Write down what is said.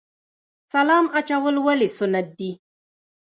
سلام اچول ولې سنت دي؟